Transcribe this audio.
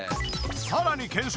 さらに検証！